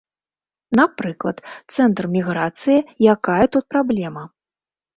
Напрыклад, цэнтр міграцыі, якая тут праблема?